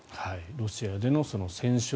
ロシアでの戦勝